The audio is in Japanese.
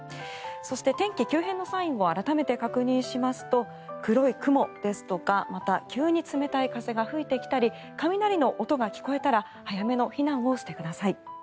そして、天気急変のサインを改めて確認しますと黒い雲ですとか、また急に冷たい風が吹いてきたり雷の音が聞こえたら早めの避難をしてください。